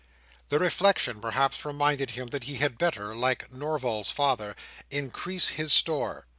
The reflection perhaps reminded him that he had better, like young Norval's father, 'increase his store.